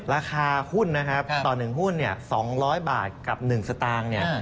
ราคาหุ้นนะครับต่อ๑หุ้นเนี่ย๒๐๐บาทกับ๑สตางค์เนี่ย